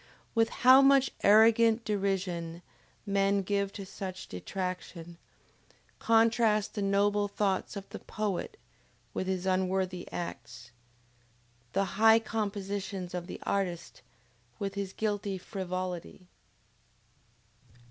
With how much arrogant derision men given to such detraction, contrast the noble thoughts of the poet, with his unworthy acts! The high compositions of the artist, with his guilty frivolity!